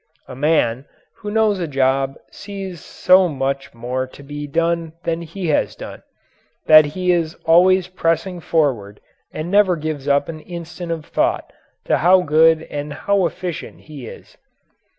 A man who knows a job sees so much more to be done than he has done, that he is always pressing forward and never gives up an instant of thought to how good and how efficient he is.